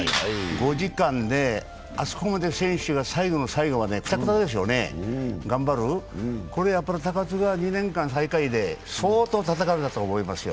５時間、あそこまで選手が最後の最後までくたくたですよね、頑張る、これは高津が２年間最下位で相当たたかれたと思いますよ。